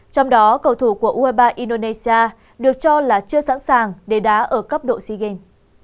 trong đó cầu thủ của ueba indonesia được cho là chưa sẵn sàng để đá ở cấp độ sea games